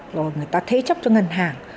rồi người ta thế chấp cho ngân hàng